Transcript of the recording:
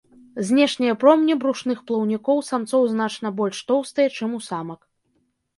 Знешнія промні брушных плаўнікоў самцоў значна больш тоўстыя, чым у самак.